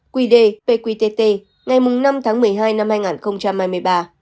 hai nghìn hai mươi ba quy đề pqtt ngày năm tháng một mươi hai năm hai nghìn hai mươi ba